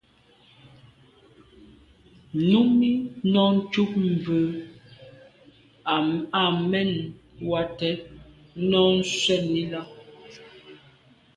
Numi nɔ́’ cup mbʉ̀ a mɛ́n Watɛ̀ɛ́t nɔ́ɔ̀’ nswɛ́ɛ̀n í lá.